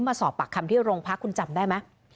มาสอบปากคำที่โรงพักคุณจำได้ไหม